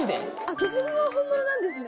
消しゴムは本物なんですね。